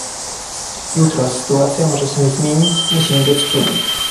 jutro sytuacja może się zmienić i musimy być czujni